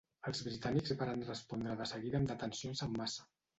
Els britànics varen respondre de seguida amb detencions en massa.